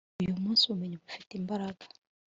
uyu munsi ubumenyi bufite imbaraga